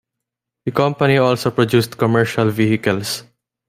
The company also produced commercial vehicles.